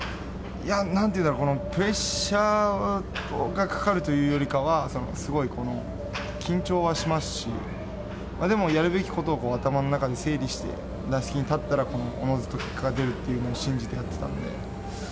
いやー、なんていうんだろう、プレッシャーがかかるというよりかは、すごい緊張はしますし、でも、やるべきことを頭の中で整理して打席に立ったら、おのずと結果が出るというのを信じてやってたんで。